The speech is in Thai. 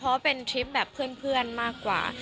เพราะว่าเป็นทริปแบบเพื่อนมากกว่า